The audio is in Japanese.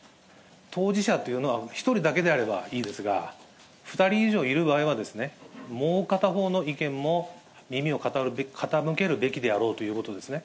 当事者というのは１人だけであればいいですが、２人以上いる場合はですね、もう片方の意見も耳を傾けるべきであろうということですね。